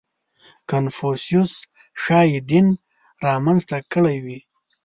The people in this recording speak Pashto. • کنفوسیوس ښایي دین را منځته کړی وي.